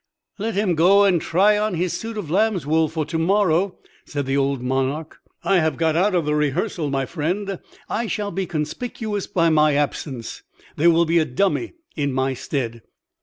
"Let him go and try on his suit of lamb's wool for to morrow," said the old monarch. "I have got out of the rehearsal, my friend; I shall be conspicuous by my absence; there will be a dummy in my stead."